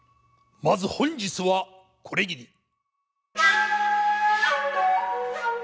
まず本日はこれぎり。